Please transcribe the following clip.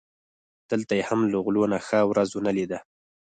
دلته یې هم له غلو نه ښه ورځ و نه لیده.